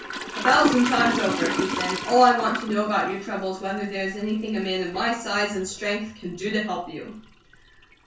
"A thousand times over," he said. "All I want to know about your trouble is whether there is anything a man of my size and strength can do to help you."